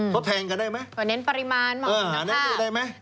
เขาแทงกันได้ไหมตัวเน้นปริมาณมาหาคุณภาพ